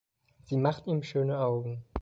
Sie macht ihm schöne Augen.